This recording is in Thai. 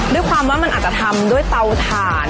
ด้วยความว่ามันอาจจะทำด้วยเตาถ่าน